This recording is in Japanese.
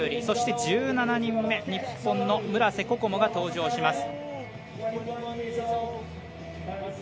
そして１７人目、日本の村瀬心椛が登場します。